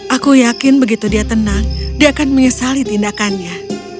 aku yakin begitu dia tenang dia akan menyesali tindakannya